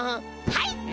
はい！